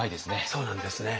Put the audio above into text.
そうなんですね。